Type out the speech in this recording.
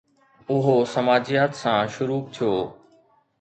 اهو سماجيات سان شروع ٿيو